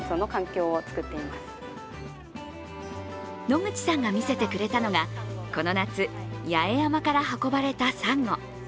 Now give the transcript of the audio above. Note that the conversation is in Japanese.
野口さんが見せてくれたのがこの夏、八重山から運ばれたサンゴ。